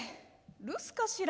留守かしら」。